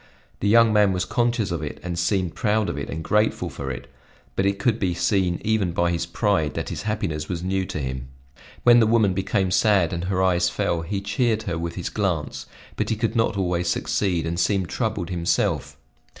The young man was conscious of it and seemed proud of it and grateful for it; but it could be seen even by his pride that his happiness was new to him. When the woman became sad and her eyes fell, he cheered her with his glance; but he could not always succeed, and seemed troubled himself.